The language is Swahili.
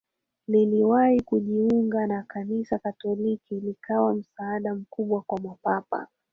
liliwahi kujiunga na Kanisa Katoliki likawa msaada mkubwa kwa Mapapa